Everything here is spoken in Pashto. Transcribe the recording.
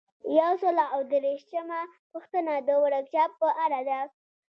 یو سل او دیرشمه پوښتنه د ورکشاپ په اړه ده.